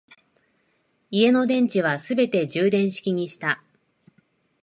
家の電池はすべて充電池にした